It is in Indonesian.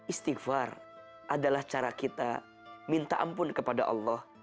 istighfar adalah cara kita minta ampun kepada allah